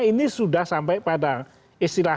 ini sudah sampai pada istilah